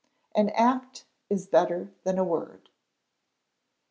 [AN ACT IS BETTER THAN A WORD.